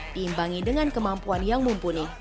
diimbangi dengan kemampuan yang mumpuni